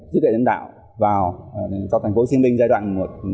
trí tuệ nhân tạo vào thành phố hồ chí minh giai đoạn hai nghìn một mươi chín hai nghìn hai mươi năm